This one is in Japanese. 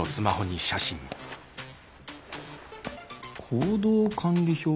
行動管理表？